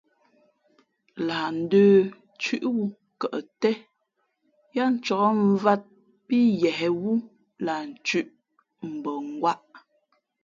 Lah ndə̄ thʉ̄ʼwū kαʼ tén yáá ncāk mvāt pí yěhwú lah nthʉ̄ʼ mbα ngwāʼ.